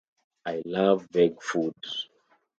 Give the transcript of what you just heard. I love veg food.